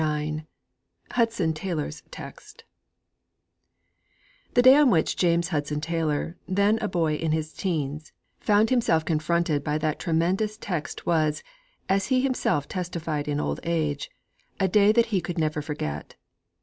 IX HUDSON TAYLOR'S TEXT I The day on which James Hudson Taylor then a boy in his teens found himself confronted by that tremendous text was, as he himself testified in old age, 'a day that he could never forget.'